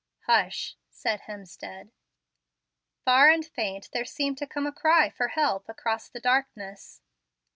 "Hush!" said Hemstead. Far and faint there seemed to come a cry for help across the darkness.